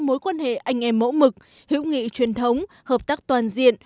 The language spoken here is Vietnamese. mối quan hệ anh em mẫu mực hiểu nghị truyền thống hợp tác toàn diện